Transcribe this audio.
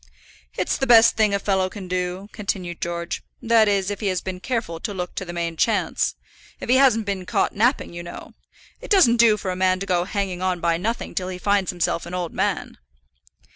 "It's the best thing a fellow can do," continued George; "that is, if he has been careful to look to the main chance, if he hasn't been caught napping, you know. It doesn't do for a man to go hanging on by nothing till he finds himself an old man."